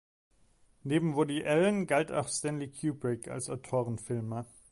Neben Woody Allen galt auch Stanley Kubrick als Autorenfilmer.